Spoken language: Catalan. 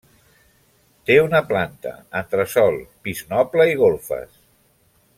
Té una planta, entresòl, pis noble i golfes.